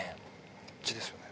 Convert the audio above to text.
こっちですよね？